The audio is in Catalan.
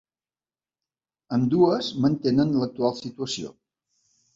Ambdues mantenen l'actual situació.